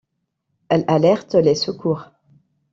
Elle alerte les secours.